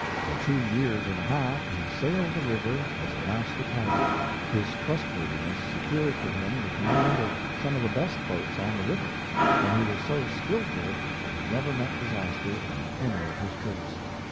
For two years and a half he sailed the river as a master pilot; his trustworthiness secured for him the command of some of the best boats on the river, and he was so skilful that he never met disaster on any of his trips.